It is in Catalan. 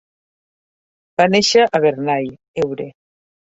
Va néixer a Bernay, Eure.